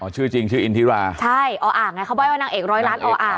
ชื่อจริงชื่ออินทิราใช่ออ่างไงเขาใบ้ว่านางเอกร้อยล้านออ่าง